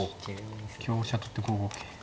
香車取って５五桂。